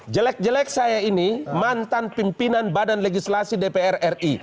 jelek jelek saya ini mantan pimpinan badan legislasi dpr ri